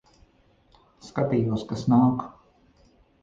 Skatījos, kas nāk.